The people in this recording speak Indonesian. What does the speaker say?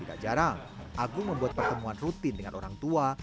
tidak jarang agung membuat pertemuan rutin dengan orang tua